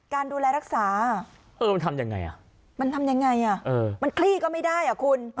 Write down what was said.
การดูแลรักษาเออมันทำยังไงอ่ะมันทำยังไงมันคลี่ก็ไม่ได้อ่ะคุณ